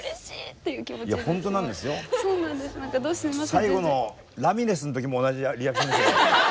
最後のラミレスの時も同じリアクション。